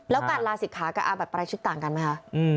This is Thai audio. แล้วการลาศิกขากับอาบัติประรายชุดต่างกันไหมคะ